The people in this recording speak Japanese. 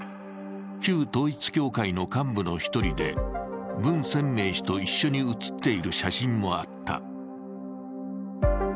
旧統一教会の幹部の一人で文鮮明氏と一緒に写っている写真もあった。